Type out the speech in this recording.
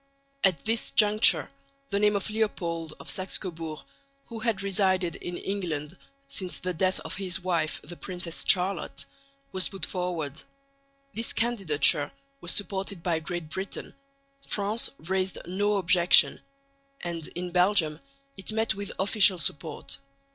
At this juncture the name of Leopold of Saxe Coburg, who had resided in England since the death of his wife the Princess Charlotte, was put forward. This candidature was supported by Great Britain; France raised no objection; and in Belgium it met with official support.